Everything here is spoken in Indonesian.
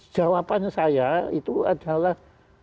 jawabannya saya itu adalah